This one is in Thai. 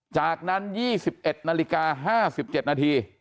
จากนั้น๒๑นาฬิกา๕๗นาที